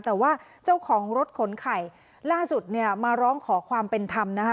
แต่ว่าเจ้าของรถขนไข่ล่าสุดเนี่ยมาร้องขอความเป็นธรรมนะคะ